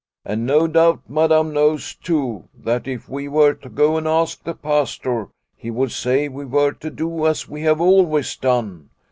And no doubt Madam knows too, that if we were to go and ask the Pastor, he would say we were to do as we have always done.